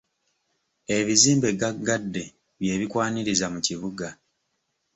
Ebizimbe gaggadde bye bikwaniriza mu kibuga.